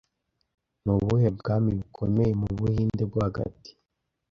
Ni ubuhe bwami bukomeye mu Buhinde bwo hagati